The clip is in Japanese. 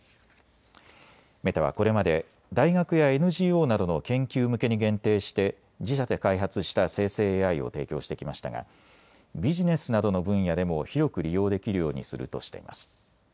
メタはこれまで大学やＮＧＯなどの研究向けに限定して自社て開発した生成ＡＩを提供してきましたがビジネスなどの分野でも広く利用できるようにするとしています。